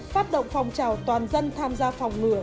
phát động phong trào toàn dân tham gia phòng ngừa